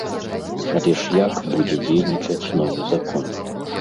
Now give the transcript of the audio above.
Але ж як будзе дзейнічаць новы закон?